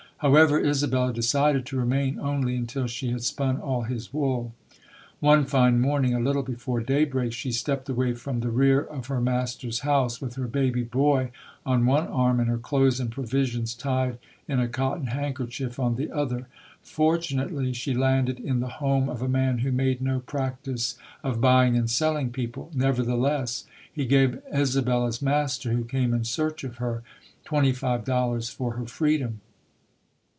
However, Isabella decided to remain only until she had spun all his wool. One fine morning, a little before daybreak, she stepped away from the rear of her master's house with her baby boy on one arm and her clothes and provisions tied in a cotton handkerchief on the other. Fortunately, she landed in the home of a man who made no practice of buying and selling people. Nevertheless, he gave Isabella's master, who came in search of her, twenty five dollars for her freedom.